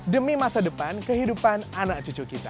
demi masa depan kehidupan anak cucu kita